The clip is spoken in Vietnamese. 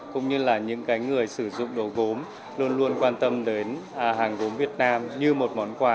cũng như là những người sử dụng đồ gốm luôn luôn quan tâm đến hàng gốm việt nam như một món quà